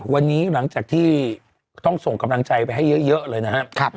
วันนี้หลังจากที่ต้องส่งกำลังใจไปให้เยอะเลยนะครับ